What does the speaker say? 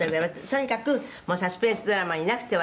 「とにかくサスペンスドラマになくてはならない